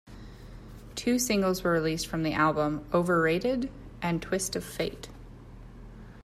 Two singles were released from the album: "Overrated" and "Twist of Fate".